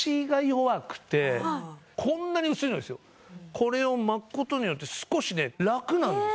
これを巻くことによって少しね楽なんです。